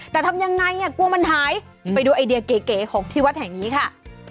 แต่ทำยังไงกลัวมันหายไปดูไอเดียเก๋ของที่วัดแห่งนี้ค่ะ